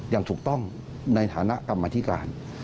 อย่างถูกต้องในฐานะกรรมธิการ